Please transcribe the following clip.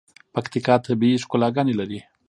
پکیتکا طبیعی ښکلاګاني لري.